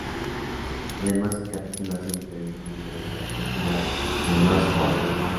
Además el capítulo hace diferentes menciones a la película "The Lost Boys".